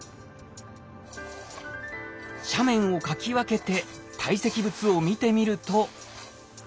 斜面をかき分けて堆積物を見てみると。